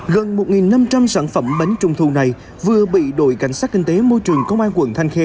gần một năm trăm linh sản phẩm bánh trung thu này vừa bị đội cảnh sát kinh tế môi trường công an quận thanh khê